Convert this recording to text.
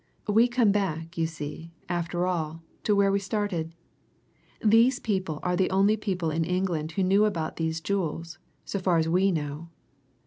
We come back, you see, after all, to where we started these people were the only people in England who knew about these jewels, so far as we know."